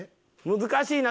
難しいな。